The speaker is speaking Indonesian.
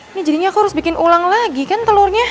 ini jadinya aku harus bikin ulang lagi kan telurnya